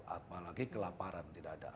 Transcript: apalagi kelaparan tidak ada